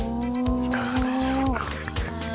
いかがでしょうか？